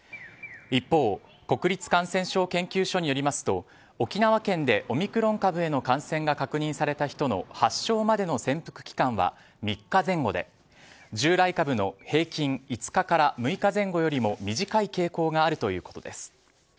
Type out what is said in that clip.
一方国立感染症研究所によりますと沖縄県でオミクロン株への感染が確認された人の発症までの潜伏期間は３日前後で従来株の平均５日から６日前後よりも短い傾向があるということです。